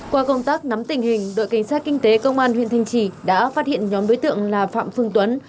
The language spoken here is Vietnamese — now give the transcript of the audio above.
qua công tác nắm tình hình đội cảnh sát kinh tế công an huyện thanh trì đã phát hiện nhóm đối tượng là phạm phương tuấn